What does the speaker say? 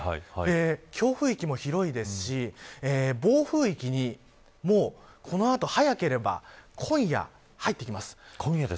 強風域も広いですし暴風域にも、この後、早ければ今夜、入ってきます。